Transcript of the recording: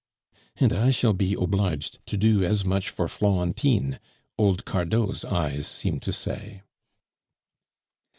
"And I shall be obliged to do as much for Florentine!" old Cardot's eyes seemed to say.